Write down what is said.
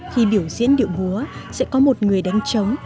khi biểu diễn điệu múa sẽ có một người đánh trống